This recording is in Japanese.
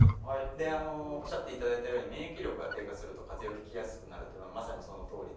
であのおっしゃっていただいたように免疫力が低下すると風邪をひきやすくなるというのはまさにそのとおりで。